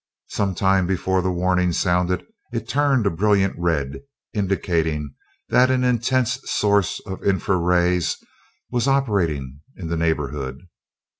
Some time before the warning sounded it turned a brilliant red, indicating that an intense source of infra rays was operating in the neighborhood.